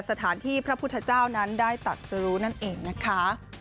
สถานที่พระพุทธเจ้านั้นได้ตัดสรุนั่นเองนะคะ